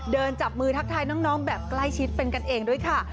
จับมือทักทายน้องแบบใกล้ชิดเป็นกันเองด้วยค่ะ